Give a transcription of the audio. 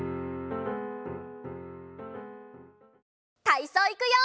たいそういくよ！